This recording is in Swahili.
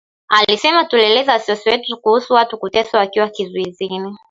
Alisema "tulielezea wasiwasi wetu kuhusu watu kuteswa wakiwa kizuizini"